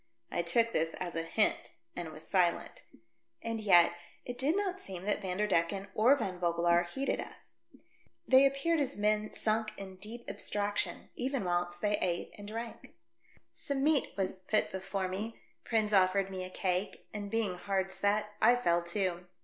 I took this as a hint, and was silent. And yet it did not seem that Vanderdecken I20 THE DEATH SHIP. or Van Vogelaar heeded us. They appeared as men sunk in deep abstraction, even whilst they ate and drank. Some meat was put before me ; Prins offered me a cake, and, being hard set, I fell to.